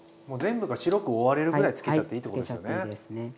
もう全部が白く覆われるぐらいつけちゃっていいってことですよね。